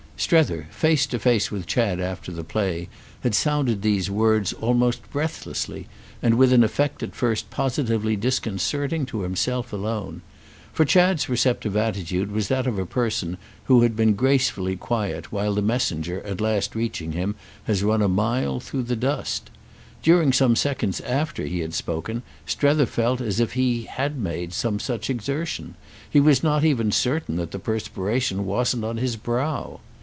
—Strether, face to face with Chad after the play, had sounded these words almost breathlessly, and with an effect at first positively disconcerting to himself alone. For Chad's receptive attitude was that of a person who had been gracefully quiet while the messenger at last reaching him has run a mile through the dust. During some seconds after he had spoken Strether felt as if he had made some such exertion; he was not even certain that the perspiration wasn't on his brow.